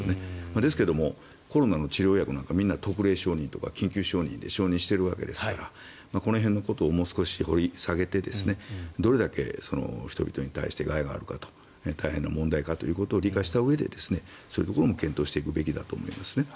ですけどもコロナの治療法とか特例承認とか緊急承認で承認してるわけですからこの辺のことをもう少し掘り下げてどれだけ人々に対して害があるかと大変な問題かということを理解したうえでそういう部分も検討していくべきだと思いますね。